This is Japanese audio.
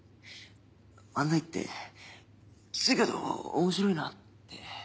漫才ってキツいけど面白いなって。